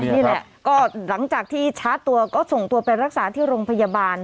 นี่แหละก็หลังจากที่ชาร์จตัวก็ส่งตัวไปรักษาที่โรงพยาบาล